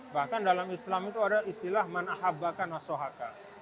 bahkan dalam islam itu ada istilah menahabakan asohaka